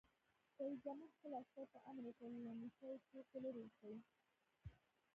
رئیس جمهور خپلو عسکرو ته امر وکړ؛ له نشه یي توکو لرې اوسئ!